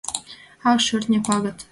Ах, шӧртньӧ пагыт!